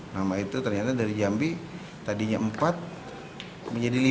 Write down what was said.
nama itu ternyata dari jambi tadinya empat menjadi lima